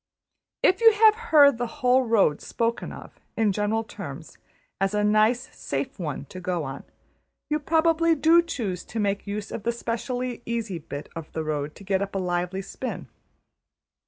If you have heard the whole road spoken of, in general terms, as a nice safe one to go on, you probably do choose to make use of the specially easy bit of the road to get up a lively spin.